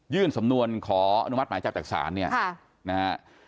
ยื่นสำนวนขออนุมัติหมายจากจักษาเนี้ยค่ะนะฮะ